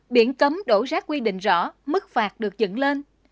biển cấm đổ rác quy định rõ mức phạt được dựng lên